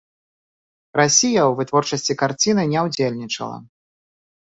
Расія ў вытворчасці карціны не ўдзельнічала.